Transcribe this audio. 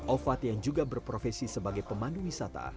ovat yang juga berprofesi sebagai pemandu wisata